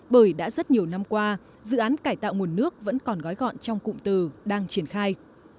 bởi đã rất nhiều năm qua dự án cải tạo nguồn nước vẫn còn gói gọn trong cụm từ đang triển khai